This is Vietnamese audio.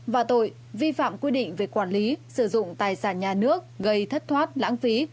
và tội vi phạm quy định về quản lý sử dụng tài sản nhà nước gây thất thoát lãng phí